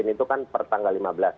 itu kan pertanggal lima belas